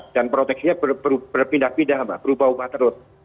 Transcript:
dan proteksinya berpindah pindah berubah ubah terus